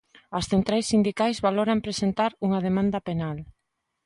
As centrais sindicais valoran presentar unha demanda penal.